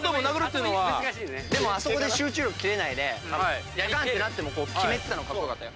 でもあそこで集中力切れないでパーンってなってもキメてたのはカッコ良かったよ。